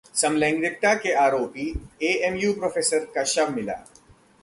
समलैंगिकता के आरोपी AMU professor का शव मिला